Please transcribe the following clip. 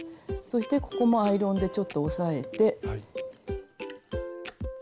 そしてここもアイロンでちょっと押さえて。